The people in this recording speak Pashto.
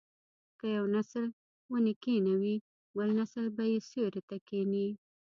که یو نسل ونې کینوي بل نسل به یې سیوري ته کیني.